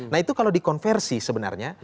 nah itu kalau dikonversi sebenarnya